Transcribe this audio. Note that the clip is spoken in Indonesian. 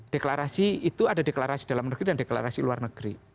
deklarasi itu ada deklarasi dalam negeri dan deklarasi luar negeri